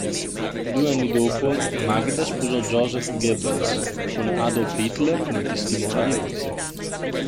Due anni dopo Magda sposò Joseph Goebbels, con Adolf Hitler come testimone di nozze.